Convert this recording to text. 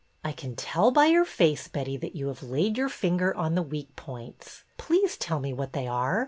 " I can tell by your face, Betty, that you have laid your finger on the weak points. Please tell me what they are.